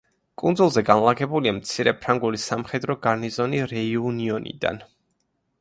კუნძულზე განლაგებულია მცირე ფრანგული სამხედრო გარნიზონი რეიუნიონიდან.